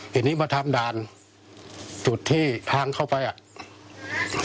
ทีนี้มาทำด่านจุดที่ทางเข้าไปอ่ะ